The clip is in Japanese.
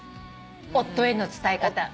夫への伝え方。